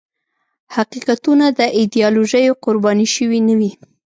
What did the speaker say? حقیقتونه د ایدیالوژیو قرباني شوي نه وي.